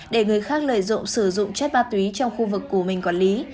để người khác lợi dụng sử dụng chất ma túy trong khu vực của mình quản lý